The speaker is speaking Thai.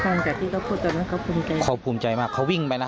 หลังจากที่เขาพูดตอนนั้นเขาภูมิใจเขาภูมิใจมากเขาวิ่งไปนะ